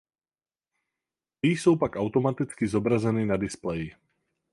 Ty jsou pak automaticky zobrazeny na displeji.